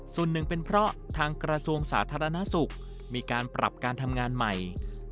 ส่วนหนึ่งเป็นเพราะทางกระทรวงสาธารณสุขมีการปรับการทำงานใหม่